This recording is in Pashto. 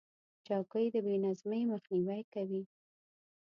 چوکۍ د بې نظمۍ مخنیوی کوي.